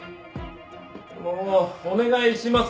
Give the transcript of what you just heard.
もうお願いします。